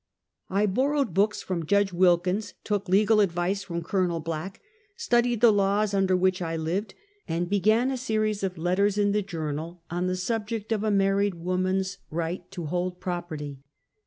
I borrowed books from Judge Wilkins, took legal advice from Colonel Black, studied the laws under which I lived, and began a series of letters in the Journal on the subject of a married woman's right to hold property.